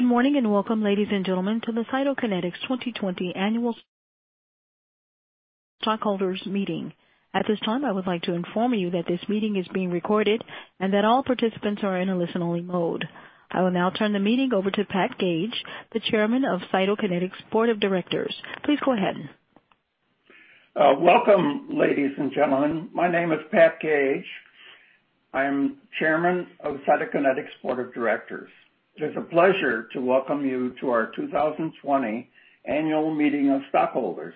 Good morning and welcome, ladies and gentlemen, to the Cytokinetics 2020 annual stockholders meeting. At this time, I would like to inform you that this meeting is being recorded and that all participants are in a listen-only mode. I will now turn the meeting over to Pat Gage, the Chairman of Cytokinetics' board of directors. Please go ahead. Welcome, ladies and gentlemen. My name is Pat Gage. I am Chairman of Cytokinetics' board of directors. It is a pleasure to welcome you to our 2020 annual meeting of stockholders.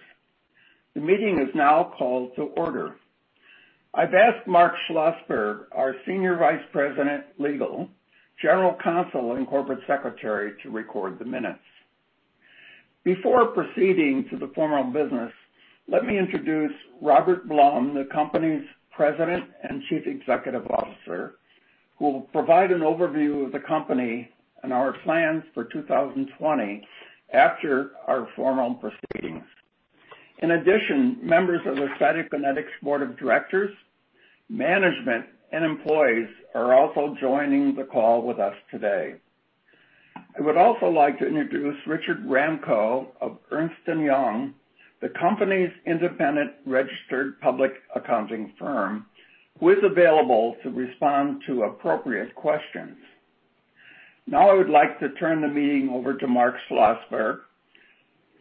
The meeting is now called to order. I've asked Mark Schlossberg, our Senior Vice President, Legal, General Counsel, and Corporate Secretary, to record the minutes. Before proceeding to the formal business, let me introduce Robert Blum, the company's President and Chief Executive Officer, who will provide an overview of the company and our plans for 2020 after our formal proceedings. In addition, members of the Cytokinetics board of directors, management, and employees are also joining the call with us today. I would also like to introduce Richard Ramko of Ernst & Young, the company's independent registered public accounting firm, who is available to respond to appropriate questions. Now, I would like to turn the meeting over to Mark Schlossberg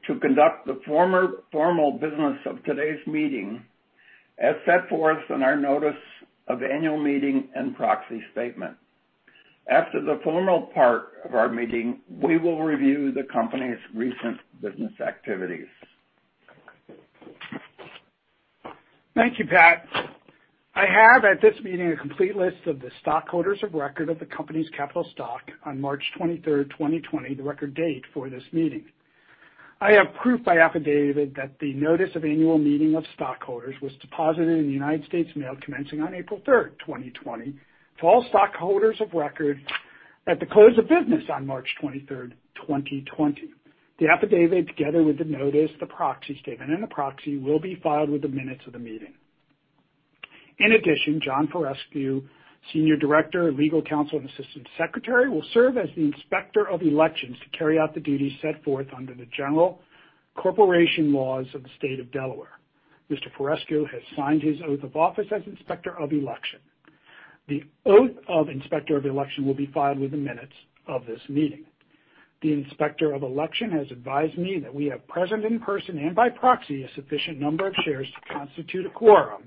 to conduct the formal business of today's meeting as set forth in our notice of annual meeting and proxy statement. After the formal part of our meeting, we will review the company's recent business activities. Thank you, Pat. I have at this meeting a complete list of the stockholders of record of the company's capital stock on March 23rd, 2020, the record date for this meeting. I have proof by affidavit that the notice of annual meeting of stockholders was deposited in the United States Mail commencing on April third, 2020, to all stockholders of record at the close of business on March 23rd, 2020. The affidavit, together with the notice, the proxy statement, and the proxy, will be filed with the minutes of the meeting. In addition, John Faurescu, Senior Director, Legal Counsel, and Assistant Secretary, will serve as the Inspector of Elections to carry out the duties set forth under the general corporation laws of the state of Delaware. Mr. Faurescu has signed his oath of office as Inspector of Election. The oath of inspector of election will be filed with the minutes of this meeting. The inspector of election has advised me that we have present in person and by proxy, a sufficient number of shares to constitute a quorum,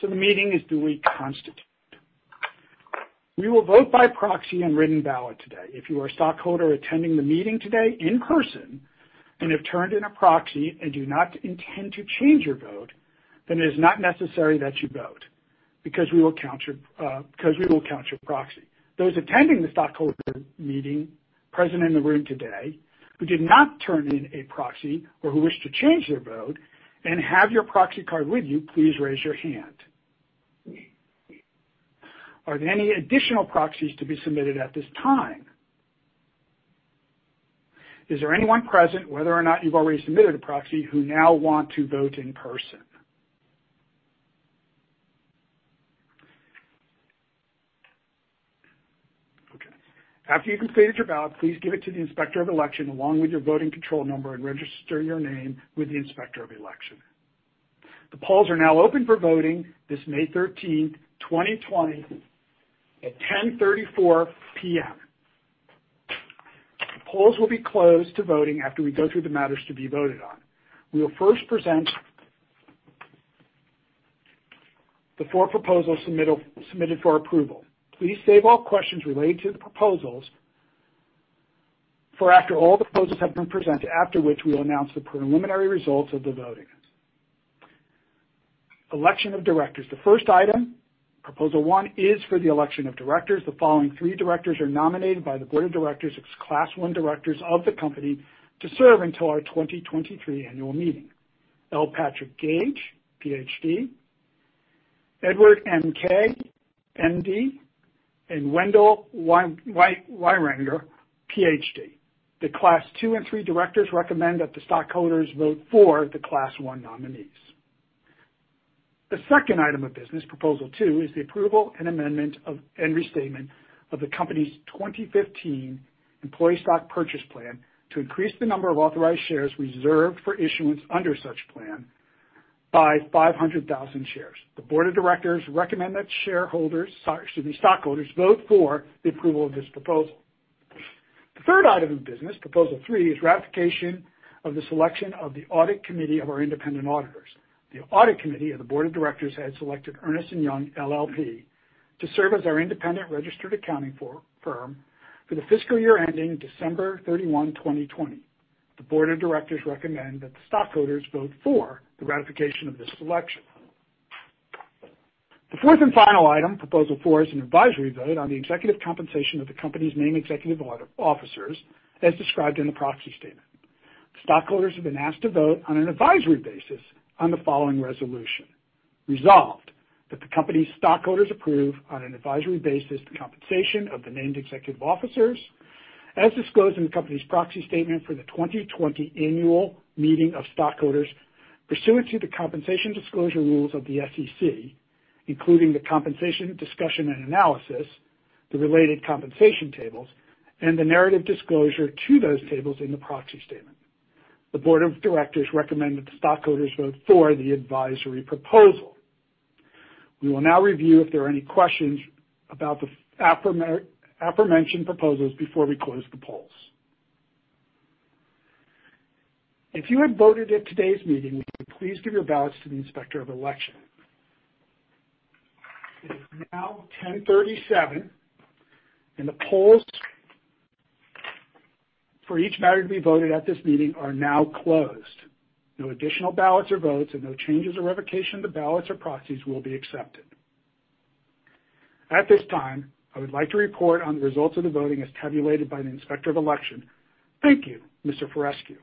so the meeting is duly constituted. We will vote by proxy and written ballot today. If you are a stockholder attending the meeting today in person and have turned in a proxy and do not intend to change your vote, then it is not necessary that you vote because we will count your proxy. Those attending the stockholder meeting, present in the room today, who did not turn in a proxy or who wish to change their vote and have your proxy card with you, please raise your hand. Are there any additional proxies to be submitted at this time? Is there anyone present, whether or not you've already submitted a proxy, who now want to vote in person? Okay. After you've completed your ballot, please give it to the inspector of election along with your voting control number and register your name with the inspector of election. The polls are now open for voting this May 13th, 2020, at 10:34 A.M. The polls will be closed to voting after we go through the matters to be voted on. We will first present the four proposals submitted for approval. Please save all questions related to the proposals for after all the proposals have been presented, after which we will announce the preliminary results of the voting. Election of directors. The first item, proposal one, is for the election of directors. The following three directors are nominated by the board of directors as Class I directors of the company to serve until our 2023 annual meeting. L. Patrick Gage, PhD, Edward M. Kaye, MD, and Wendell Wierenga, PhD. The Class II and III directors recommend that the stockholders vote for the Class I nominees. The second item of business, proposal two, is the approval and amendment of and restatement of the company's 2015 Employee Stock Purchase Plan to increase the number of authorized shares reserved for issuance under such plan by 500,000 shares. The board of directors recommend that stockholders vote for the approval of this proposal. The third item of business, proposal three, is ratification of the selection of the audit committee of our independent auditors. The audit committee of the board of directors has selected Ernst & Young LLP to serve as our independent registered accounting firm for the fiscal year ending December 31, 2020. The board of directors recommend that the stockholders vote for the ratification of this election. The fourth and final item, proposal four, is an advisory vote on the executive compensation of the company's named executive officers as described in the proxy statement. The stockholders have been asked to vote on an advisory basis on the following resolution. Resolved, that the company's stockholders approve on an advisory basis the compensation of the named executive officers as disclosed in the company's proxy statement for the 2020 annual meeting of stockholders pursuant to the compensation disclosure rules of the SEC, including the Compensation Discussion and Analysis, the related compensation tables, and the narrative disclosure to those tables in the proxy statement. The board of directors recommend that the stockholders vote for the advisory proposal. We will now review if there are any questions about the aforementioned proposals before we close the polls. If you have voted at today's meeting, would you please give your ballots to the Inspector of Election? It is now 10:37 A.M., and the polls for each matter to be voted at this meeting are now closed. No additional ballots or votes and no changes or revocation of the ballots or proxies will be accepted. At this time, I would like to report on the results of the voting as tabulated by the Inspector of Election. Thank you, Mr. Faurescu.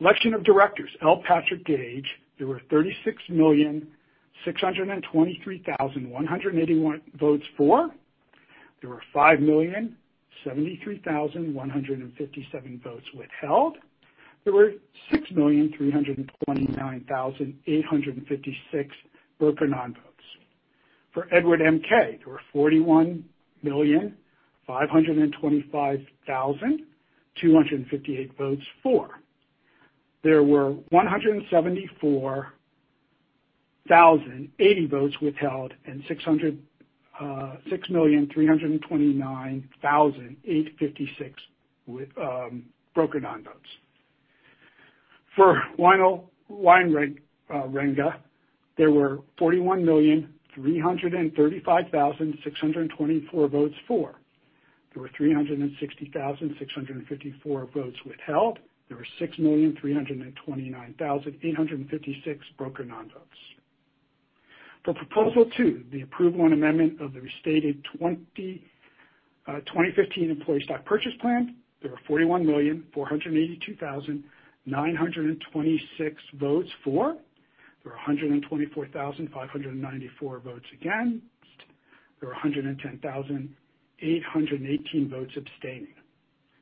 Election of directors. L. Patrick Gage, there were 36,623,181 votes for. There were 5,073,157 votes withheld. There were 6,329,856 broker non-votes. For Edward M. Kaye, there were 41,525,258 votes for. There were 174,080 votes withheld and 6,329,856 broker non-votes. For Wendell Wierenga, there were 41,335,624 votes for. There were 360,654 votes withheld. There were 6,329,856 broker non-votes. For proposal two, the approval and amendment of the restated 2015 Employee Stock Purchase Plan, there were 41,482,926 votes for. There were 124,594 votes against. There were 110,818 votes abstaining.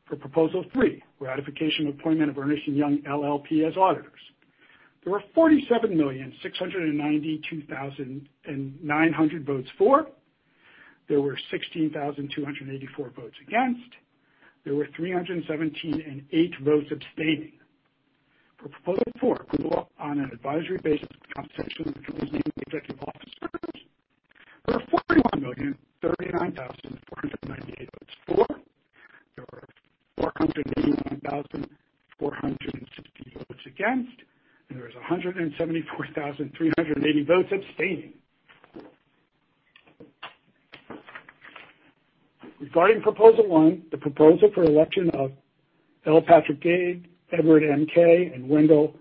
For proposal three, ratification of appointment of Ernst & Young LLP as auditors. There were 47,692,900 votes for. There were 16,284 votes against. There were 317,008 votes abstaining. For proposal four, approval on an advisory basis of compensation of the company's named executive officers, there were 41,039,498 votes for. There were 481,460 votes against, and there was 174,380 votes abstaining. Regarding proposal one, the proposal for election of L. Patrick Gage, Edward M. Kaye, and Wendell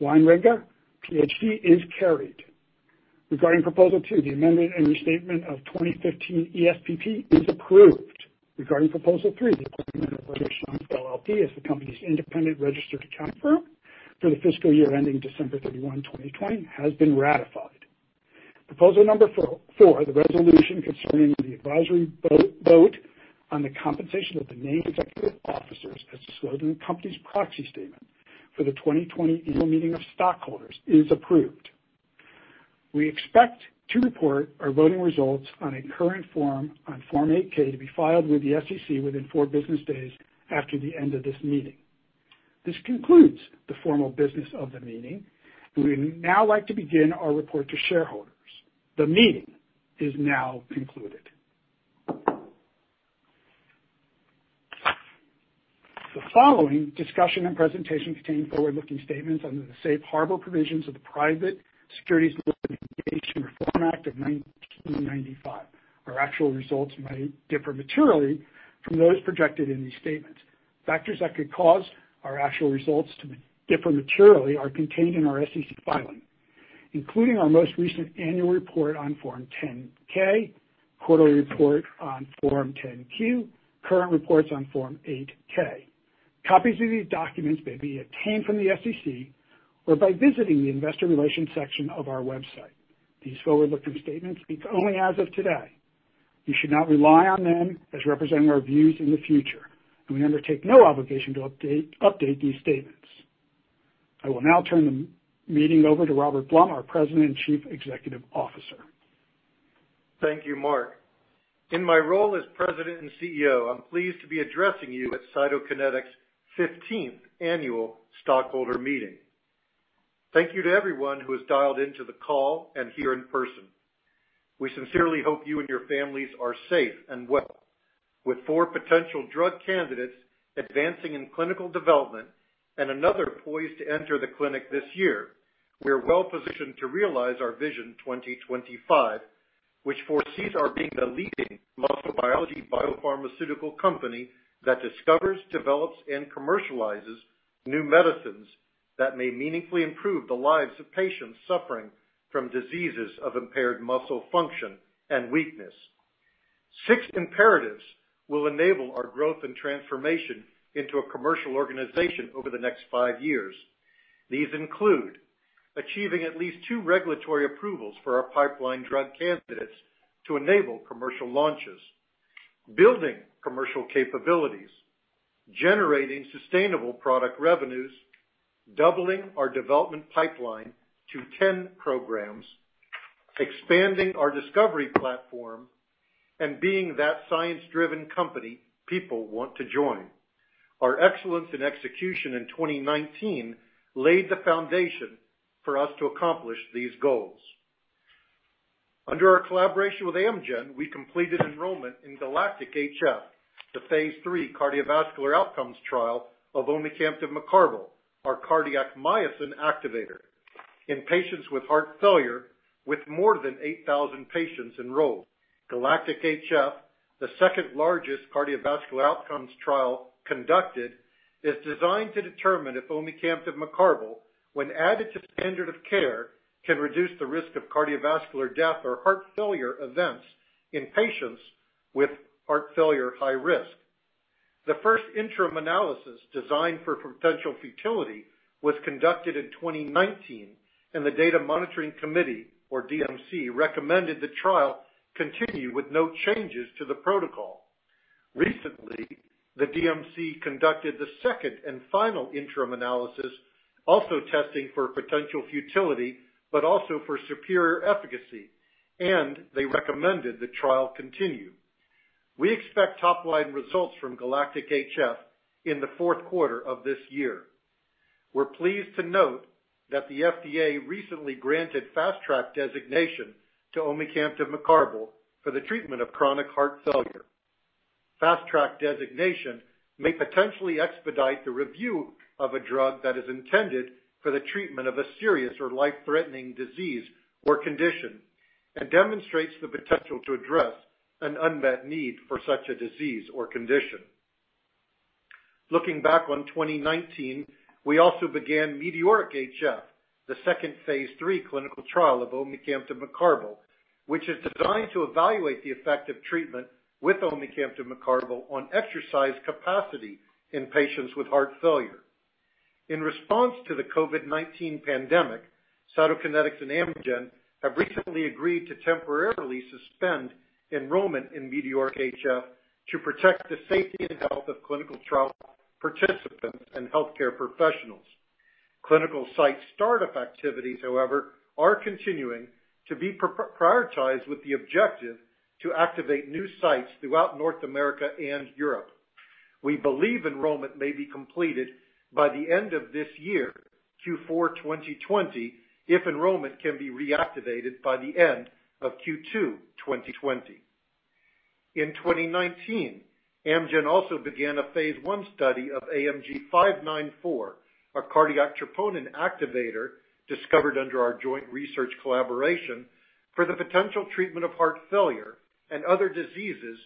Wierenga, PhD is carried. Regarding proposal two, the amendment and restatement of 2015 ESPP is approved. Regarding proposal three, the appointment of Ernst & Young LLP as the company's independent registered accounting firm for the fiscal year ending December 31, 2020, has been ratified. Proposal number four, the resolution concerning the advisory vote on the compensation of the named executive officers as disclosed in the company's proxy statement for the 2020 annual meeting of stockholders is approved. We expect to report our voting results on a current form on Form 8-K to be filed with the SEC within four business days after the end of this meeting. This concludes the formal business of the meeting, and we now like to begin our report to shareholders. The meeting is now concluded. The following discussion and presentation contain forward-looking statements under the safe harbor provisions of the Private Securities Litigation Reform Act of 1995. Our actual results might differ materially from those projected in these statements. Factors that could cause our actual results to differ materially are contained in our SEC filing, including our most recent annual report on Form 10-K, quarterly report on Form 10-Q, current reports on Form 8-K. Copies of these documents may be obtained from the SEC or by visiting the Investor Relations section of our website. These forward-looking statements speak only as of today. You should not rely on them as representing our views in the future, and we undertake no obligation to update these statements. I will now turn the meeting over to Robert Blum, our President and Chief Executive Officer. Thank you, Mark. In my role as President and CEO, I'm pleased to be addressing you at Cytokinetics' 15th annual stockholder meeting. Thank you to everyone who has dialed into the call and here in person. We sincerely hope you and your families are safe and well. With four potential drug candidates advancing in clinical development and another poised to enter the clinic this year, we're well-positioned to realize our Vision 2025, which foresees our being the leading muscle biology biopharmaceutical company that discovers, develops, and commercializes new medicines that may meaningfully improve the lives of patients suffering from diseases of impaired muscle function and weakness. Six imperatives will enable our growth and transformation into a commercial organization over the next five years. These include achieving at least two regulatory approvals for our pipeline drug candidates to enable commercial launches, building commercial capabilities, generating sustainable product revenues, doubling our development pipeline to 10 programs, expanding our discovery platform, and being that science-driven company people want to join. Our excellence in execution in 2019 laid the foundation for us to accomplish these goals. Under our collaboration with Amgen, we completed enrollment in GALACTIC-HF, the phase III cardiovascular outcomes trial of omecamtiv mecarbil, our cardiac myosin activator in patients with heart failure, with more than 8,000 patients enrolled. GALACTIC-HF, the second-largest cardiovascular outcomes trial conducted, is designed to determine if omecamtiv mecarbil, when added to standard of care, can reduce the risk of cardiovascular death or heart failure events in patients with heart failure high risk. The first interim analysis designed for potential futility was conducted in 2019, and the Data Monitoring Committee, or DMC, recommended the trial continue with no changes to the protocol. Recently, the DMC conducted the second and final interim analysis, also testing for potential futility, but also for superior efficacy, and they recommended the trial continue. We expect top-line results from GALACTIC-HF in the fourth quarter of this year. We're pleased to note that the FDA recently granted Fast Track designation to omecamtiv mecarbil for the treatment of chronic heart failure. Fast Track designation may potentially expedite the review of a drug that is intended for the treatment of a serious or life-threatening disease or condition and demonstrates the potential to address an unmet need for such a disease or condition. Looking back on 2019, we also began METEORIC-HF, the second phase III clinical trial of omecamtiv mecarbil, which is designed to evaluate the effect of treatment with omecamtiv mecarbil on exercise capacity in patients with heart failure. In response to the COVID-19 pandemic, Cytokinetics and Amgen have recently agreed to temporarily suspend enrollment in METEORIC-HF to protect the safety and health of clinical trial participants and healthcare professionals. Clinical site start-up activities, however, are continuing to be prioritized, with the objective to activate new sites throughout North America and Europe. We believe enrollment may be completed by the end of this year, Q4 2020, if enrollment can be reactivated by the end of Q2 2020. In 2019, Amgen also began a phase I study of AMG 594, a cardiac troponin activator discovered under our joint research collaboration for the potential treatment of heart failure and other diseases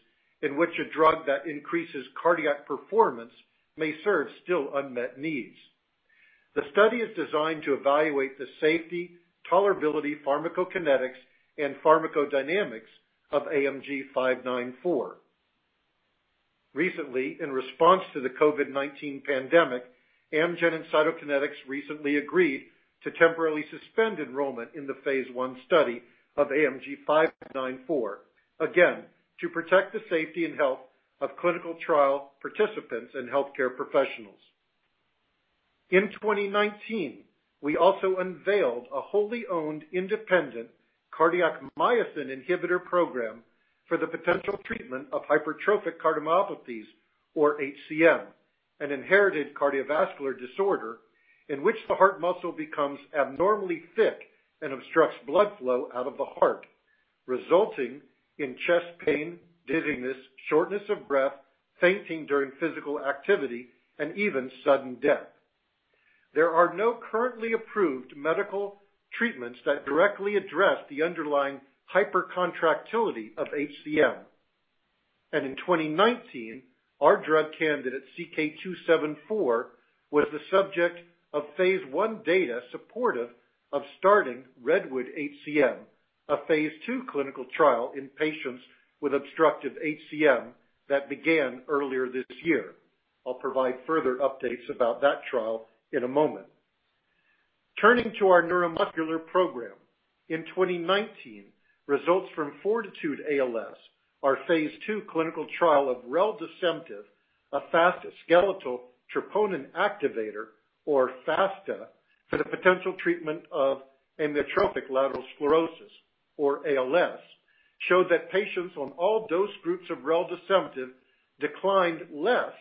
in which a drug that increases cardiac performance may serve still unmet needs. The study is designed to evaluate the safety, tolerability, pharmacokinetics, and pharmacodynamics of AMG 594. Recently, in response to the COVID-19 pandemic, Amgen and Cytokinetics recently agreed to temporarily suspend enrollment in the phase I study of AMG 594, again, to protect the safety and health of clinical trial participants and healthcare professionals. In 2019, we also unveiled a wholly owned independent cardiac myosin inhibitor program for the potential treatment of hypertrophic cardiomyopathy, or HCM, an inherited cardiovascular disorder in which the heart muscle becomes abnormally thick and obstructs blood flow out of the heart, resulting in chest pain, dizziness, shortness of breath, fainting during physical activity, and even sudden death. There are no currently approved medical treatments that directly address the underlying hypercontractility of HCM. In 2019, our drug candidate, CK-274, was the subject of phase I data supportive of starting REDWOOD-HCM, a phase II clinical trial in patients with obstructive HCM that began earlier this year. I'll provide further updates about that trial in a moment. Turning to our neuromuscular program. In 2019, results from FORTITUDE-ALS, our phase II clinical trial of reldesemtiv, a fast skeletal troponin activator, or FSTA, for the potential treatment of amyotrophic lateral sclerosis, or ALS, showed that patients on all dose groups of reldesemtiv declined less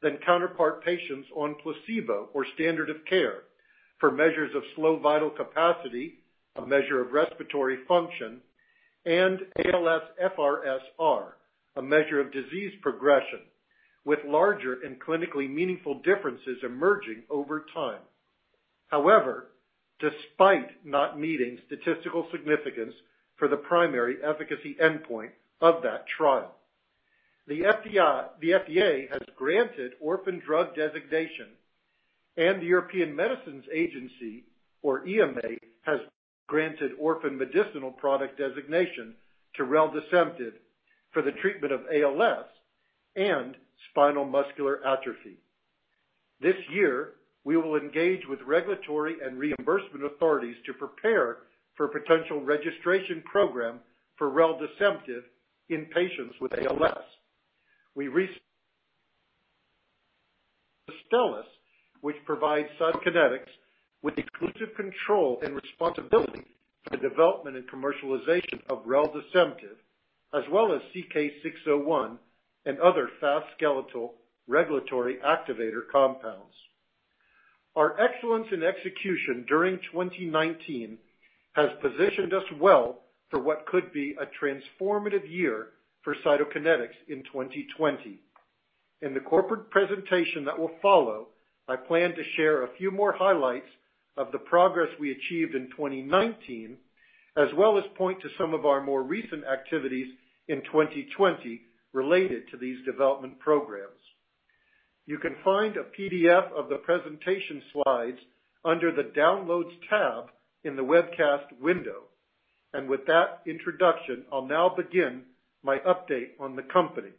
than counterpart patients on placebo or standard of care for measures of slow vital capacity, a measure of respiratory function, and ALSFRS-R, a measure of disease progression with larger and clinically meaningful differences emerging over time. However, despite not meeting statistical significance for the primary efficacy endpoint of that trial, the FDA has granted orphan drug designation, and the European Medicines Agency, or EMA, has granted orphan medicinal product designation to reldesemtiv for the treatment of ALS and spinal muscular atrophy. This year, we will engage with regulatory and reimbursement authorities to prepare for a potential registration program for reldesemtiv in patients with ALS. Astellas, which provides Cytokinetics with exclusive control and responsibility for the development and commercialization of reldesemtiv, as well as CK-601 and other fast skeletal regulatory activator compounds. Our excellence in execution during 2019 has positioned us well for what could be a transformative year for Cytokinetics in 2020. In the corporate presentation that will follow, I plan to share a few more highlights of the progress we achieved in 2019, as well as point to some of our more recent activities in 2020 related to these development programs. You can find a PDF of the presentation slides under the Downloads tab in the webcast window. With that introduction, I'll now begin my update on the company.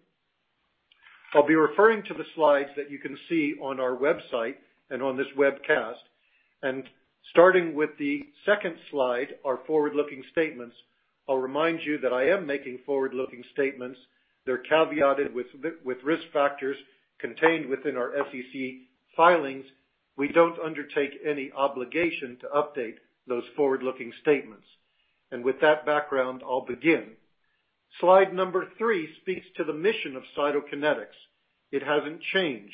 I'll be referring to the slides that you can see on our website and on this webcast. Starting with the second slide, our forward-looking statements, I'll remind you that I am making forward-looking statements. They're caveated with risk factors contained within our SEC filings. We don't undertake any obligation to update those forward-looking statements. With that background, I'll begin. Slide number three speaks to the mission of Cytokinetics. It hasn't changed.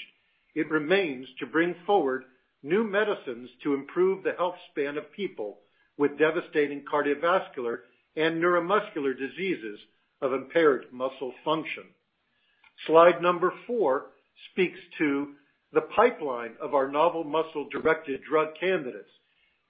It remains to bring forward new medicines to improve the health span of people with devastating cardiovascular and neuromuscular diseases of impaired muscle function. Slide number four speaks to the pipeline of our novel muscle-directed drug candidates.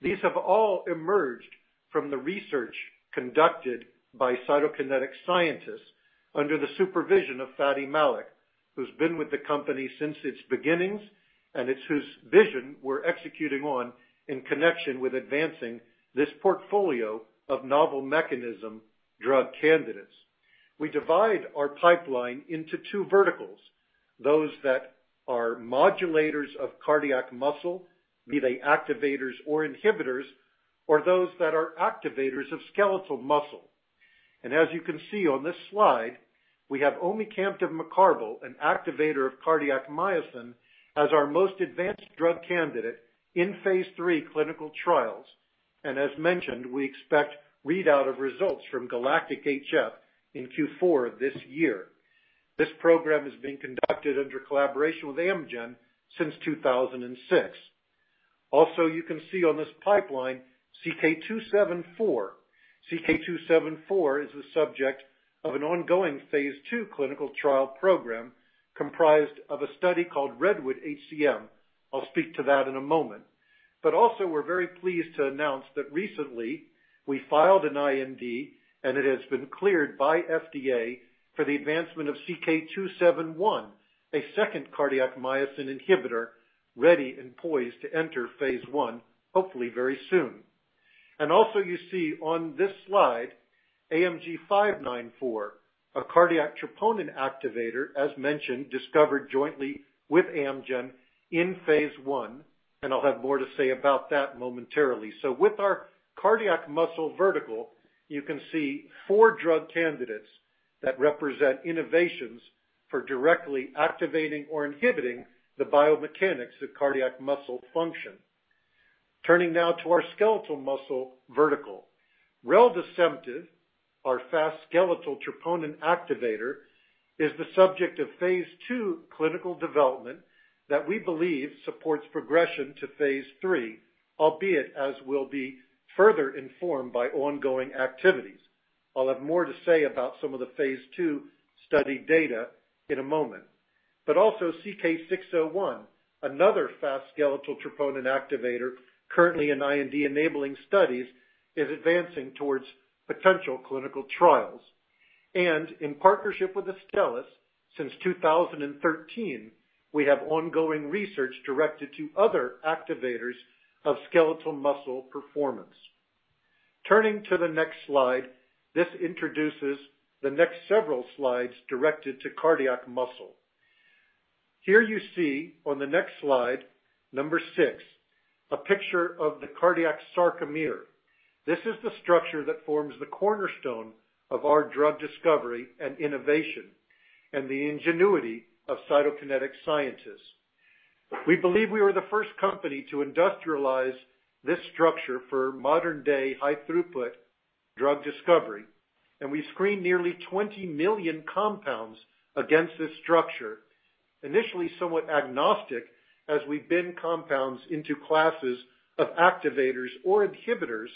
These have all emerged from the research conducted by Cytokinetics scientists under the supervision of Fady Malik, who's been with the company since its beginnings, and it's his vision we're executing on in connection with advancing this portfolio of novel mechanism drug candidates. We divide our pipeline into two verticals, those that are modulators of cardiac muscle, be they activators or inhibitors, or those that are activators of skeletal muscle. As you can see on this slide, we have omecamtiv mecarbil, an activator of cardiac myosin, as our most advanced drug candidate in phase III clinical trials. As mentioned, we expect readout of results from GALACTIC-HF in Q4 of this year. This program has been conducted under collaboration with Amgen since 2006. Also, you can see on this pipeline, CK-274. CK-274 is the subject of an ongoing phase II clinical trial program comprised of a study called REDWOOD-HCM. I'll speak to that in a moment. Also, we're very pleased to announce that recently we filed an IND, and it has been cleared by FDA for the advancement of CK-271, a second cardiac myosin inhibitor ready and poised to enter phase I, hopefully very soon. Also, you see on this slide AMG 594, a cardiac troponin activator, as mentioned, discovered jointly with Amgen in phase I, and I'll have more to say about that momentarily. With our cardiac muscle vertical, you can see four drug candidates that represent innovations for directly activating or inhibiting the biomechanics of cardiac muscle function. Turning now to our skeletal muscle vertical. Reldesemtiv, our fast skeletal troponin activator, is the subject of phase II clinical development that we believe supports progression to phase III, albeit as we'll be further informed by ongoing activities. I'll have more to say about some of the phase II study data in a moment. Also CK-601, another fast skeletal troponin activator currently in IND-enabling studies, is advancing towards potential clinical trials. In partnership with Astellas, since 2013, we have ongoing research directed to other activators of skeletal muscle performance. Turning to the next slide, this introduces the next several slides directed to cardiac muscle. Here you see on the next slide, number six, a picture of the cardiac sarcomere. This is the structure that forms the cornerstone of our drug discovery and innovation and the ingenuity of Cytokinetics scientists. We believe we were the first company to industrialize this structure for modern-day high throughput drug discovery, and we screened nearly 20 million compounds against this structure, initially somewhat agnostic, as we bin compounds into classes of activators or inhibitors,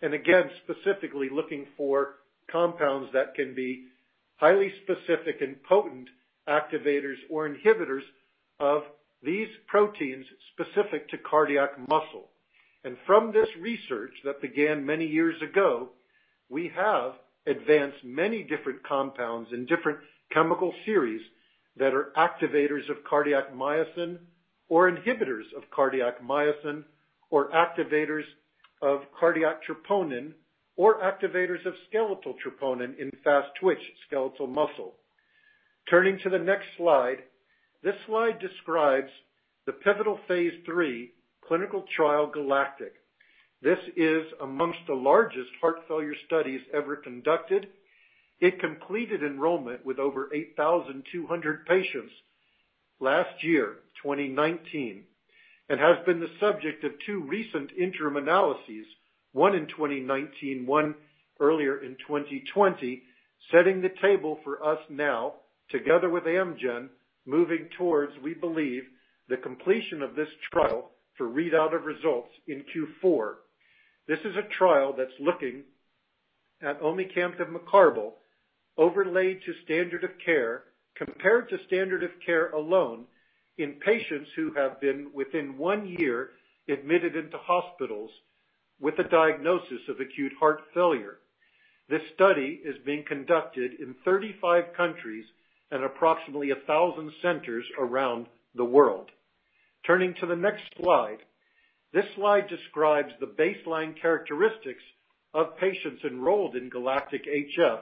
and again, specifically looking for compounds that can be highly specific and potent activators or inhibitors of these proteins specific to cardiac muscle. From this research that began many years ago, we have advanced many different compounds and different chemical series that are activators of cardiac myosin or inhibitors of cardiac myosin or activators of cardiac troponin or activators of skeletal troponin in fast-twitch skeletal muscle. Turning to the next slide. This slide describes the pivotal phase III clinical trial GALACTIC. This is amongst the largest heart failure studies ever conducted. It completed enrollment with over 8,200 patients last year, 2019, and has been the subject of two recent interim analyses, one in 2019, one earlier in 2020, setting the table for us now, together with Amgen, moving towards, we believe, the completion of this trial to read out of results in Q4. This is a trial that's looking at omecamtiv mecarbil overlay to standard of care, compared to standard of care alone in patients who have been within one year admitted into hospitals with a diagnosis of acute heart failure. This study is being conducted in 35 countries and approximately 1,000 centers around the world. Turning to the next slide. This slide describes the baseline characteristics of patients enrolled in GALACTIC-HF.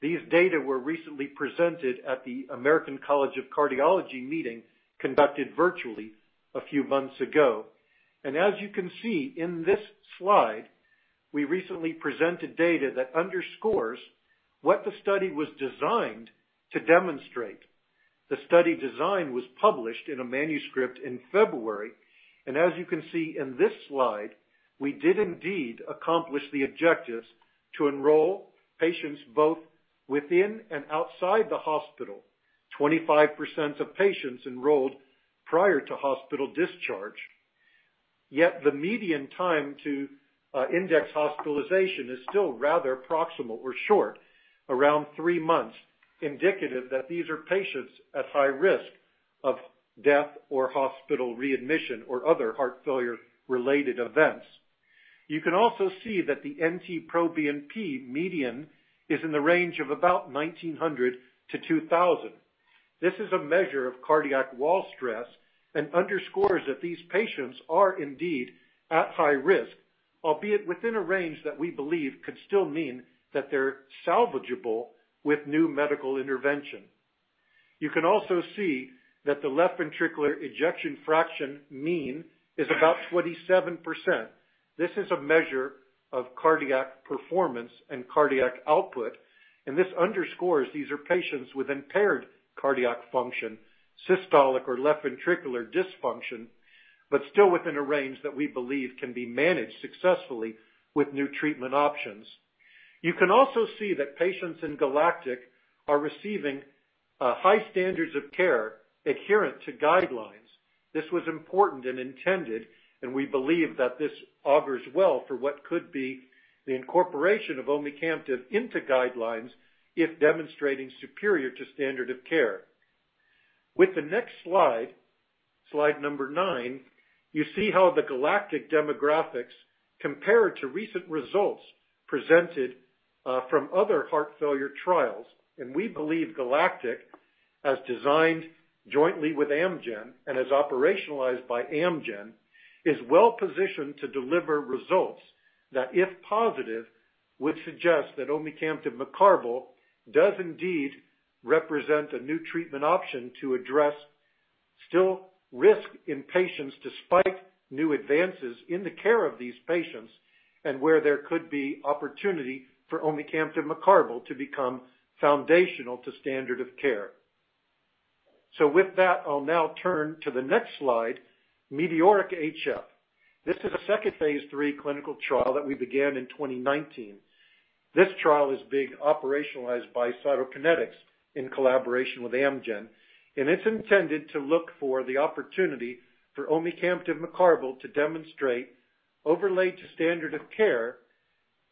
These data were recently presented at the American College of Cardiology meeting conducted virtually a few months ago. As you can see in this slide, we recently presented data that underscores what the study was designed to demonstrate. The study design was published in a manuscript in February, and as you can see in this slide, we did indeed accomplish the objectives to enroll patients both within and outside the hospital. 25% of patients enrolled prior to hospital discharge. Yet the median time to index hospitalization is still rather proximal or short, around three months, indicative that these are patients at high risk of death or hospital readmission, or other heart failure-related events. You can also see that the NT-proBNP median is in the range of about 1,900-2,000. This is a measure of cardiac wall stress and underscores that these patients are indeed at high risk, albeit within a range that we believe could still mean that they're salvageable with new medical intervention. You can also see that the left ventricular ejection fraction mean is about 27%. This is a measure of cardiac performance and cardiac output. This underscores these are patients with impaired cardiac function, systolic or left ventricular dysfunction. Still within a range that we believe can be managed successfully with new treatment options. You can also see that patients in GALACTIC are receiving high standards of care adherent to guidelines. This was important and intended, and we believe that this augurs well for what could be the incorporation of omecamtiv into guidelines if demonstrating superior to standard of care. With the next slide number nine, you see how the GALACTIC demographics compare to recent results presented from other heart failure trials. We believe GALACTIC, as designed jointly with Amgen and as operationalized by Amgen, is well positioned to deliver results that, if positive, would suggest that omecamtiv mecarbil does indeed represent a new treatment option to address still risk in patients despite new advances in the care of these patients, where there could be opportunity for omecamtiv mecarbil to become foundational to standard of care. With that, I'll now turn to the next slide, METEORIC-HF. This is a second phase III clinical trial that we began in 2019. This trial is being operationalized by Cytokinetics in collaboration with Amgen, and it's intended to look for the opportunity for omecamtiv mecarbil to demonstrate overlay to standard of care,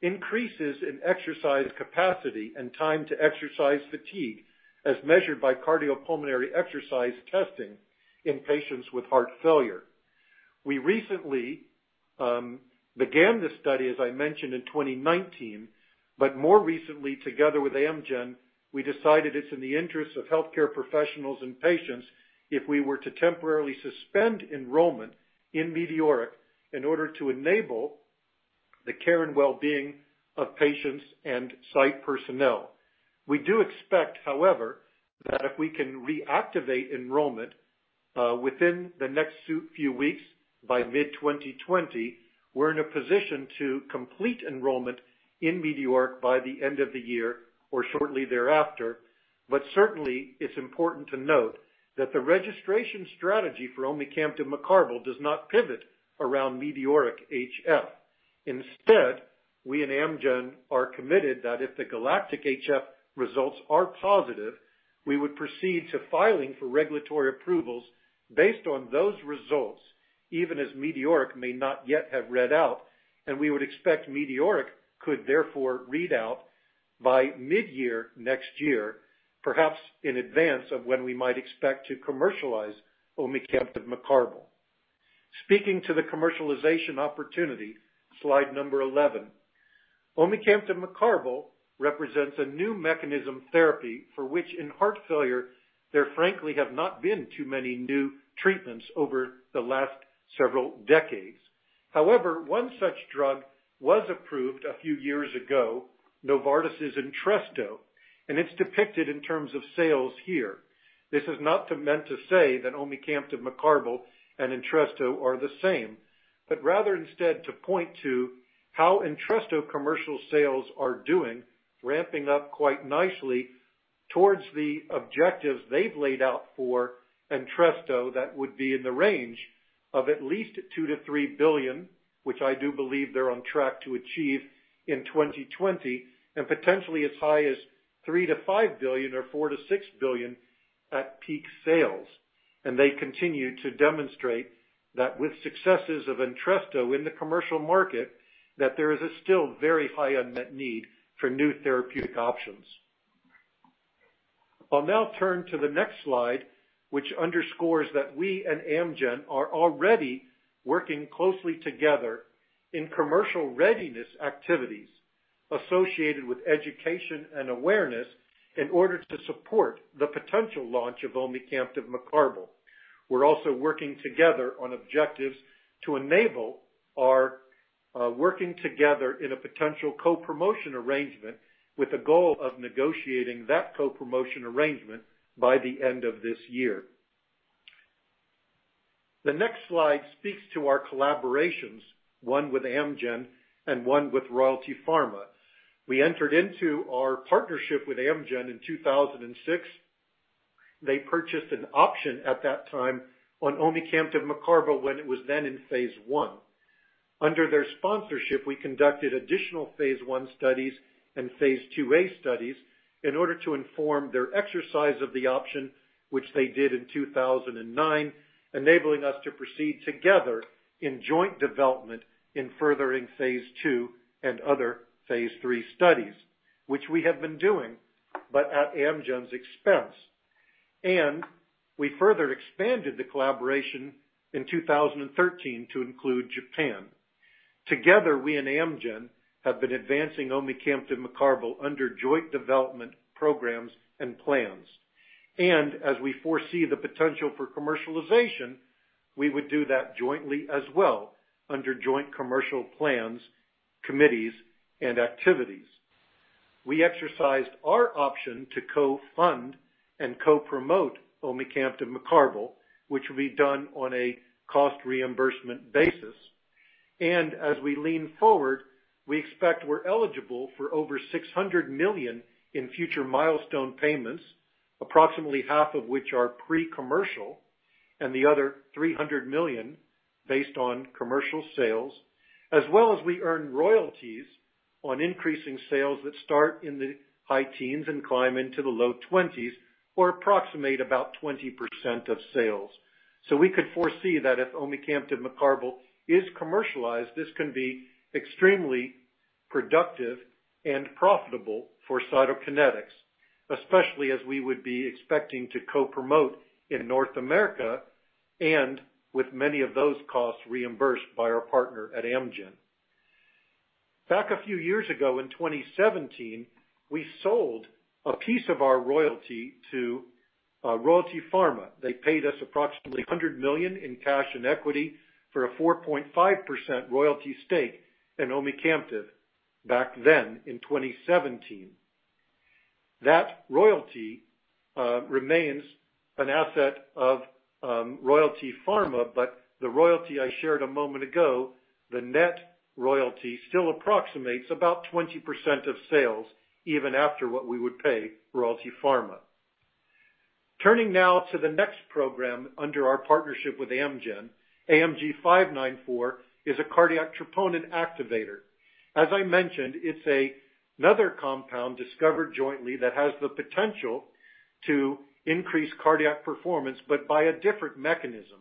increases in exercise capacity, and time to exercise fatigue, as measured by cardiopulmonary exercise testing in patients with heart failure. We recently began this study, as I mentioned, in 2019, but more recently, together with Amgen, we decided it's in the interest of healthcare professionals and patients if we were to temporarily suspend enrollment in METEORIC in order to enable the care and well-being of patients and site personnel. We do expect, however, that if we can reactivate enrollment, within the next few weeks, by mid 2020, we're in a position to complete enrollment in METEORIC by the end of the year or shortly thereafter. Certainly, it's important to note that the registration strategy for omecamtiv mecarbil does not pivot around METEORIC-HF. Instead, we and Amgen are committed that if the GALACTIC-HF results are positive, we would proceed to filing for regulatory approvals based on those results, even as METEORIC may not yet have read out. We would expect METEORIC could therefore read out by midyear next year, perhaps in advance of when we might expect to commercialize omecamtiv mecarbil. Speaking to the commercialization opportunity, slide number 11. Omecamtiv mecarbil represents a new mechanism therapy for which, in heart failure, there frankly have not been too many new treatments over the last several decades. However, one such drug was approved a few years ago, Novartis' Entresto, and it's depicted in terms of sales here. This is not meant to say that omecamtiv mecarbil and Entresto are the same, but rather instead to point to how Entresto commercial sales are doing, ramping up quite nicely towards the objectives they've laid out for Entresto that would be in the range of at least $2 billion-$3 billion, which I do believe they're on track to achieve in 2020, and potentially as high as $3 billion-$5 billion or $4 billion-$6 billion at peak sales. They continue to demonstrate that with successes of Entresto in the commercial market, that there is a still very high unmet need for new therapeutic options. I'll now turn to the next slide, which underscores that we and Amgen are already working closely together in commercial readiness activities associated with education and awareness in order to support the potential launch of omecamtiv mecarbil. We're also working together on objectives to enable our working together in a potential co-promotion arrangement with the goal of negotiating that co-promotion arrangement by the end of this year. The next slide speaks to our collaborations, one with Amgen and one with Royalty Pharma. We entered into our partnership with Amgen in 2006. They purchased an option at that time on omecamtiv mecarbil when it was then in phase I. Under their sponsorship, we conducted additional phase I studies and phase II-A studies in order to inform their exercise of the option, which they did in 2009, enabling us to proceed together in joint development in furthering phase II and other phase III studies, which we have been doing, but at Amgen's expense. We further expanded the collaboration in 2013 to include Japan. Together, we and Amgen have been advancing omecamtiv mecarbil under joint development programs and plans. As we foresee the potential for commercialization, we would do that jointly as well under joint commercial plans, committees, and activities. We exercised our option to co-fund and co-promote omecamtiv mecarbil, which will be done on a cost reimbursement basis. As we lean forward, we expect we're eligible for over $600 million in future milestone payments, approximately half of which are pre-commercial, and the other $300 million based on commercial sales, as well as we earn royalties on increasing sales that start in the high teens and climb into the low 20s or approximate about 20% of sales. We could foresee that if omecamtiv mecarbil is commercialized, this can be extremely productive and profitable for Cytokinetics, especially as we would be expecting to co-promote in North America and with many of those costs reimbursed by our partner at Amgen. Back a few years ago in 2017, we sold a piece of our royalty to Royalty Pharma. They paid us approximately $100 million in cash and equity for a 4.5% royalty stake in omecamtiv back then in 2017. The royalty I shared a moment ago, the net royalty still approximates about 20% of sales even after what we would pay Royalty Pharma. Turning now to the next program under our partnership with Amgen, AMG 594 is a cardiac troponin activator. As I mentioned, it's another compound discovered jointly that has the potential to increase cardiac performance, but by a different mechanism.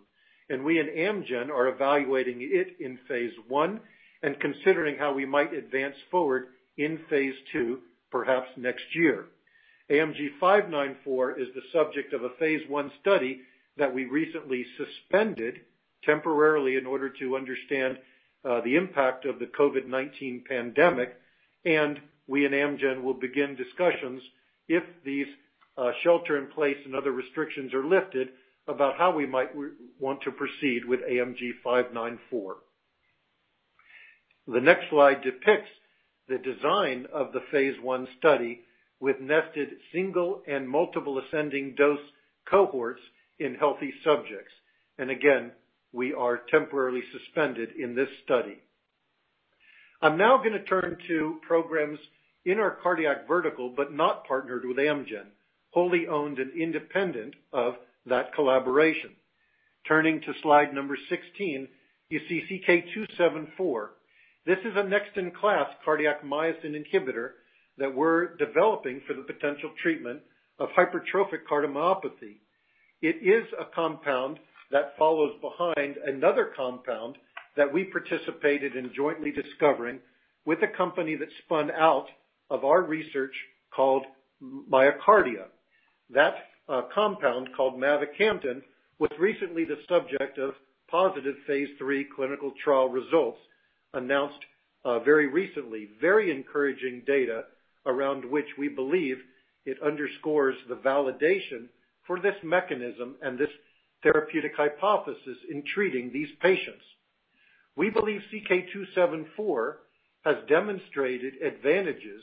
We and Amgen are evaluating it in phase I and considering how we might advance forward in phase II, perhaps next year. AMG 594 is the subject of a phase I study that we recently suspended temporarily in order to understand the impact of the COVID-19 pandemic, and we and Amgen will begin discussions if these shelter in place and other restrictions are lifted about how we might want to proceed with AMG 594. The next slide depicts the design of the phase I study with nested single and multiple ascending dose cohorts in healthy subjects. Again, we are temporarily suspended in this study. I am now going to turn to programs in our cardiac vertical, but not partnered with Amgen, wholly owned and independent of that collaboration. Turning to slide number 16, you see CK274. This is a next-in-class cardiac myosin inhibitor that we are developing for the potential treatment of hypertrophic cardiomyopathy. It is a compound that follows behind another compound that we participated in jointly discovering with a company that spun out of our research called MyoKardia. That compound, called mavacamten, was recently the subject of positive phase III clinical trial results, announced very recently. Very encouraging data around which we believe it underscores the validation for this mechanism and this therapeutic hypothesis in treating these patients. We believe CK-274 has demonstrated advantages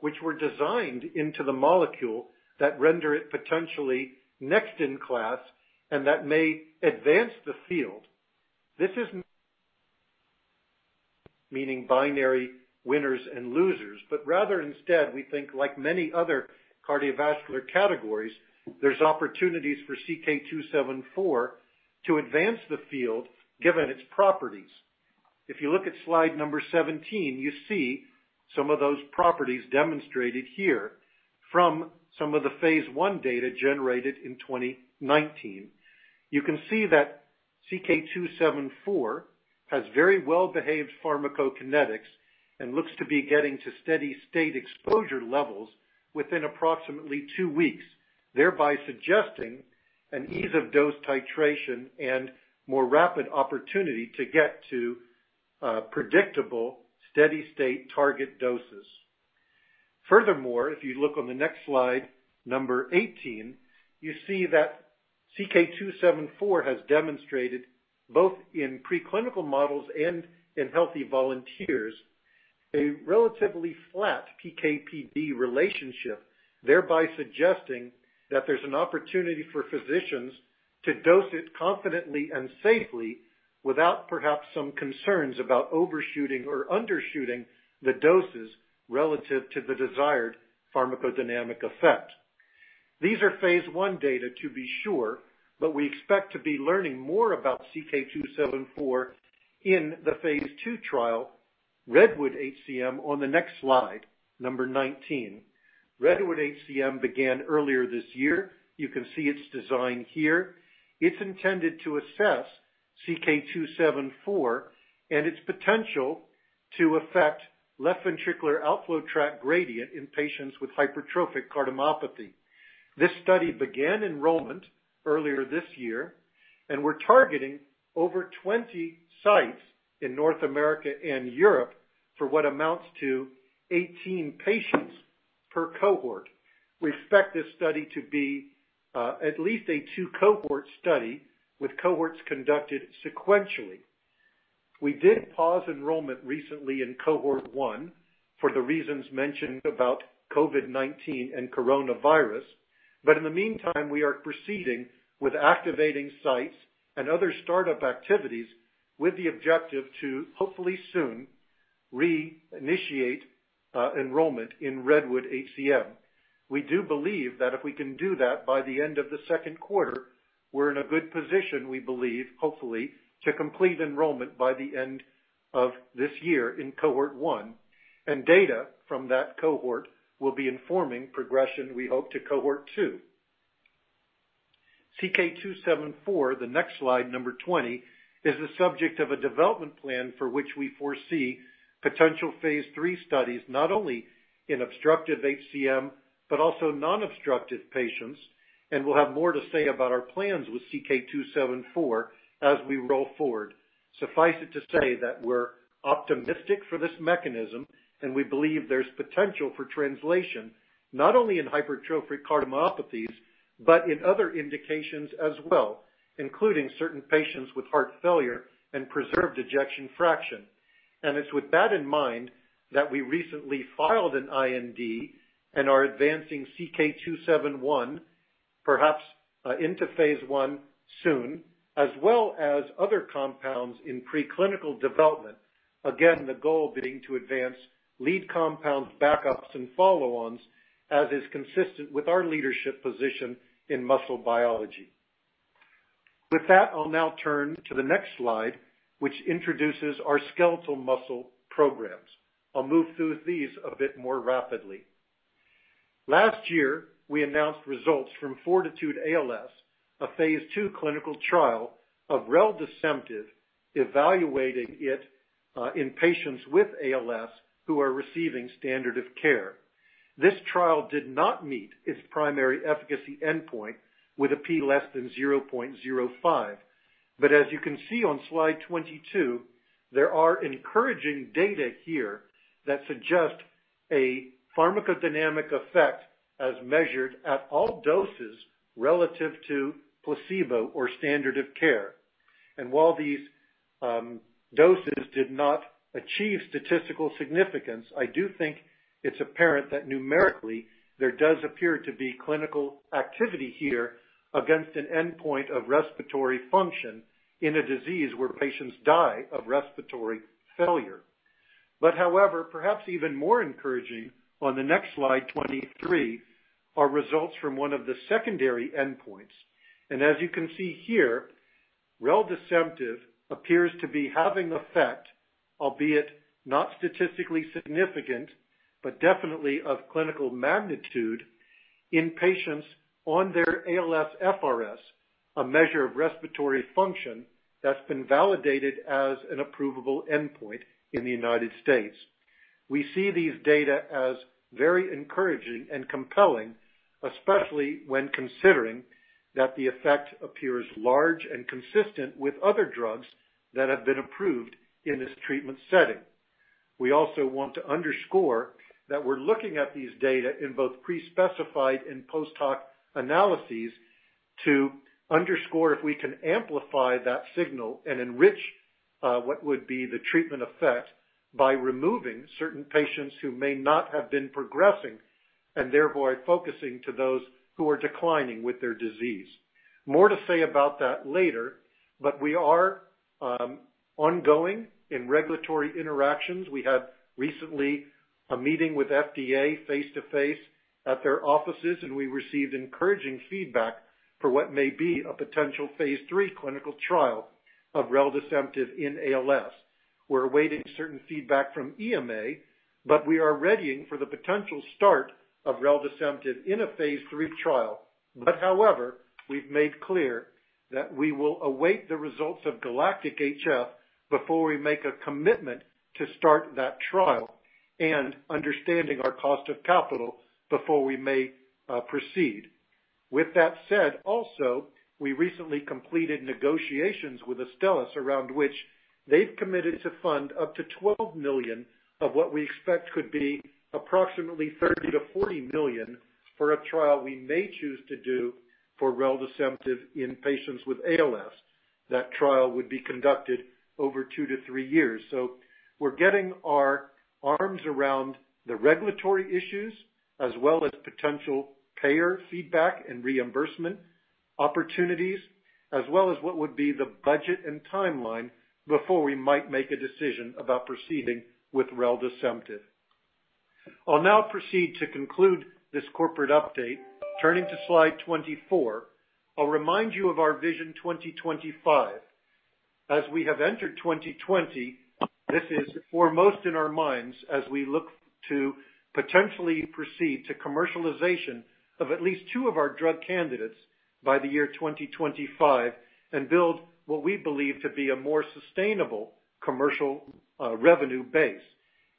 which were designed into the molecule that render it potentially next in class and that may advance the field. This isn't meaning binary winners and losers, but rather instead, we think like many other cardiovascular categories, there's opportunities for CK-274 to advance the field given its properties. If you look at slide number 17, you see some of those properties demonstrated here from some of the phase I data generated in 2019. You can see that CK-274 has very well-behaved pharmacokinetics and looks to be getting to steady state exposure levels within approximately two weeks, thereby suggesting an ease of dose titration and more rapid opportunity to get to predictable, steady-state target doses. If you look on the next slide 18, you see that CK-274 has demonstrated, both in preclinical models and in healthy volunteers, a relatively flat PK/PD relationship, thereby suggesting that there's an opportunity for physicians to dose it confidently and safely without perhaps some concerns about overshooting or undershooting the doses relative to the desired pharmacodynamic effect. These are phase I data to be sure, we expect to be learning more about CK-274 in the phase II trial, REDWOOD-HCM on the next slide 19. REDWOOD-HCM began earlier this year. You can see its design here. It's intended to assess CK-274 and its potential to affect left ventricular outflow tract gradient in patients with hypertrophic cardiomyopathy. This study began enrollment earlier this year. We're targeting over 20 sites in North America and Europe for what amounts to 18 patients per cohort. We expect this study to be at least a two-cohort study with cohorts conducted sequentially. We did pause enrollment recently in cohort 1 for the reasons mentioned about COVID-19 and coronavirus. In the meantime, we are proceeding with activating sites and other startup activities with the objective to hopefully soon re-initiate enrollment in REDWOOD-HCM. We do believe that if we can do that by the end of the second quarter, we're in a good position we believe, hopefully, to complete enrollment by the end of this year in cohort 1, and data from that cohort will be informing progression, we hope, to cohort 2. CK-274, the next slide, number 20, is the subject of a development plan for which we foresee potential phase III studies, not only in obstructive HCM, but also non-obstructive patients, and we'll have more to say about our plans with CK-274 as we roll forward. Suffice it to say that we're optimistic for this mechanism, and we believe there's potential for translation, not only in hypertrophic cardiomyopathies, but in other indications as well, including certain patients with heart failure and preserved ejection fraction. It's with that in mind that we recently filed an IND and are advancing CK-271, perhaps into phase I soon, as well as other compounds in preclinical development. Again, the goal being to advance lead compounds, backups, and follow-ons as is consistent with our leadership position in muscle biology. With that, I'll now turn to the next slide, which introduces our skeletal muscle programs. I'll move through these a bit more rapidly. Last year, we announced results from FORTITUDE-ALS, a phase II clinical trial of reldesemtiv, evaluating it in patients with ALS who are receiving standard of care. This trial did not meet its primary efficacy endpoint with a p < 0.05. As you can see on slide 22, there are encouraging data here that suggest a pharmacodynamic effect as measured at all doses relative to placebo or standard of care. While these doses did not achieve statistical significance, I do think it's apparent that numerically, there does appear to be clinical activity here against an endpoint of respiratory function in a disease where patients die of respiratory failure. However, perhaps even more encouraging on the next slide 23 are results from one of the secondary endpoints. As you can see here, reldesemtiv appears to be having effect, albeit not statistically significant, but definitely of clinical magnitude in patients on their ALSFRS, a measure of respiratory function that's been validated as an approvable endpoint in the U.S. We see these data as very encouraging and compelling, especially when considering that the effect appears large and consistent with other drugs that have been approved in this treatment setting. We also want to underscore that we're looking at these data in both pre-specified and post-hoc analyses to underscore if we can amplify that signal and enrich what would be the treatment effect by removing certain patients who may not have been progressing, and therefore focusing to those who are declining with their disease. More to say about that later. We are ongoing in regulatory interactions. We had recently a meeting with FDA face-to-face at their offices. We received encouraging feedback for what may be a potential phase III clinical trial of reldesemtiv in ALS. We're awaiting certain feedback from EMA. We are readying for the potential start of reldesemtiv in a phase III trial. However, we've made clear that we will await the results of GALACTIC-HF before we make a commitment to start that trial, and understanding our cost of capital before we may proceed. With that said, also, we recently completed negotiations with Astellas, around which they've committed to fund up to $12 million of what we expect could be approximately $30 million-$40 million for a trial we may choose to do for reldesemtiv in patients with ALS. That trial would be conducted over two to three years. We're getting our arms around the regulatory issues, as well as potential payer feedback and reimbursement opportunities, as well as what would be the budget and timeline before we might make a decision about proceeding with reldesemtiv. I'll now proceed to conclude this corporate update. Turning to slide 24, I'll remind you of our Vision 2025. As we have entered 2020, this is foremost in our minds as we look to potentially proceed to commercialization of at least two of our drug candidates by the year 2025 and build what we believe to be a more sustainable commercial revenue base.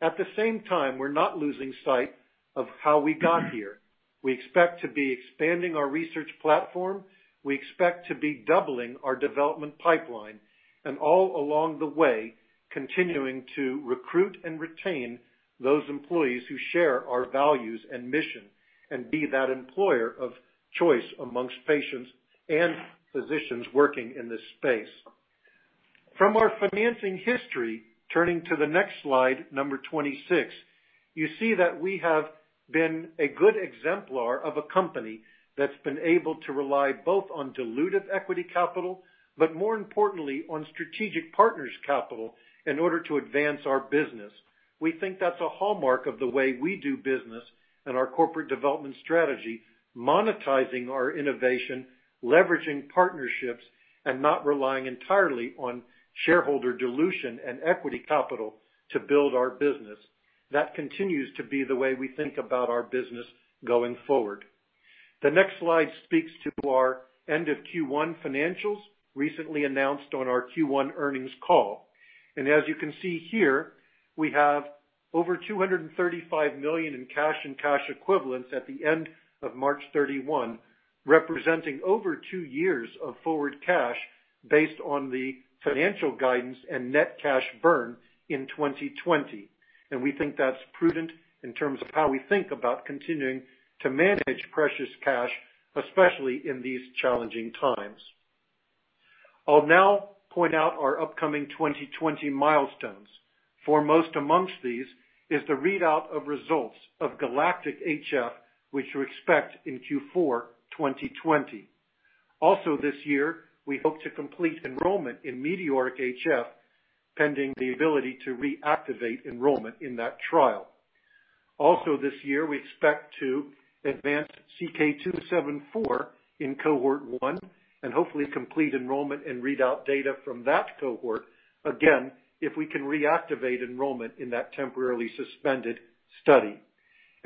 At the same time, we're not losing sight of how we got here. We expect to be expanding our research platform. We expect to be doubling our development pipeline and all along the way, continuing to recruit and retain those employees who share our values and mission and be that employer of choice amongst patients and physicians working in this space. From our financing history, turning to the next slide, number 26, you see that we have been a good exemplar of a company that's been able to rely both on dilutive equity capital, but more importantly on strategic partners capital in order to advance our business. We think that's a hallmark of the way we do business and our corporate development strategy, monetizing our innovation, leveraging partnerships, and not relying entirely on shareholder dilution and equity capital to build our business. That continues to be the way we think about our business going forward. The next slide speaks to our end of Q1 financials, recently announced on our Q1 earnings call. As you can see here, we have over $235 million in cash and cash equivalents at the end of March 31, representing over two years of forward cash based on the financial guidance and net cash burn in 2020. We think that's prudent in terms of how we think about continuing to manage precious cash, especially in these challenging times. I'll now point out our upcoming 2020 milestones. Foremost amongst these is the readout of results of GALACTIC-HF, which we expect in Q4 2020. Also this year, we hope to complete enrollment in METEORIC-HF, pending the ability to reactivate enrollment in that trial. Also this year, we expect to advance CK-274 in cohort one and hopefully complete enrollment and readout data from that cohort, again, if we can reactivate enrollment in that temporarily suspended study.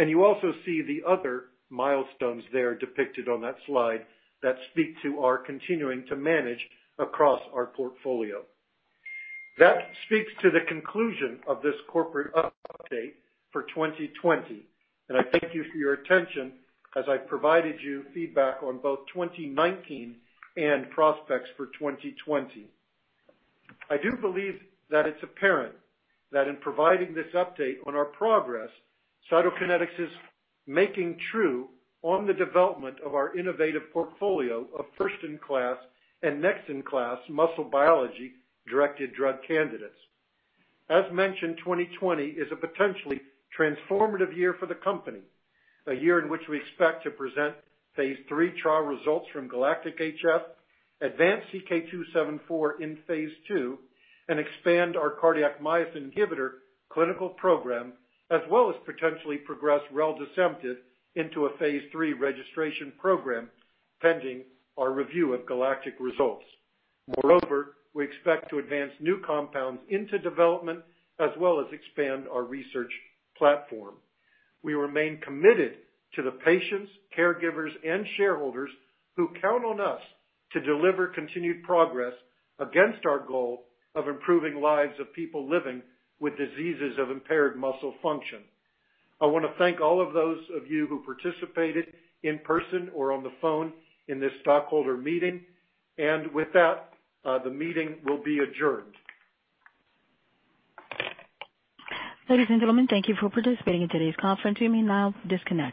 You also see the other milestones there depicted on that slide that speak to our continuing to manage across our portfolio. That speaks to the conclusion of this corporate update for 2020. I thank you for your attention as I provided you feedback on both 2019 and prospects for 2020. I do believe that it's apparent that in providing this update on our progress, Cytokinetics is making true on the development of our innovative portfolio of first-in-class and next-in-class muscle biology-directed drug candidates. As mentioned, 2020 is a potentially transformative year for the company, a year in which we expect to present phase III trial results from GALACTIC-HF, advance CK-274 in phase II, and expand our cardiac myosin inhibitor clinical program, as well as potentially progress reldesemtiv into a phase III registration program, pending our review of GALACTIC results. Moreover, we expect to advance new compounds into development, as well as expand our research platform. We remain committed to the patients, caregivers, and shareholders who count on us to deliver continued progress against our goal of improving lives of people living with diseases of impaired muscle function. I want to thank all of those of you who participated in person or on the phone in this stockholder meeting. With that, the meeting will be adjourned. Ladies and gentlemen, thank you for participating in today's conference. You may now disconnect.